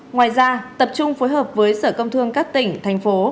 ngoài ra tập trung phối hợp với sở công thương các tỉnh thành phố